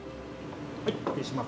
はい失礼します。